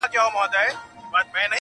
څه زلمۍ شپې وې شرنګ د پایلو -